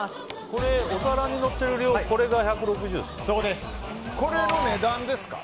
これ、お皿に乗ってる量これが１６０ですか？